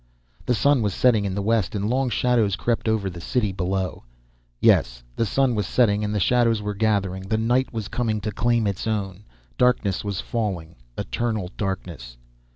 The sun was setting in the west, and long shadows crept over the city below. Yes, the sun was setting and the shadows were gathering, the night was coming to claim its own. Darkness was falling, eternal darkness.